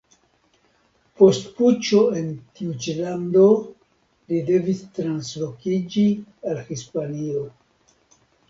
Post puĉo en tiu ĉi lando, li devis translokiĝi al Hispanio.